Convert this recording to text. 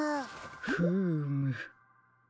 フーム。